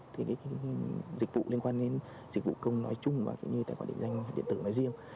thì cái dịch vụ liên quan đến dịch vụ công nói chung và cái như tài khoản địa tử nói riêng